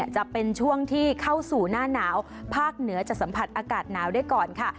จะเป็นช่วงที่เข้าสู่หน้าหนาวภาคเหนือจะสัมผัสอากาศหนาวได้ก่อนค่ะ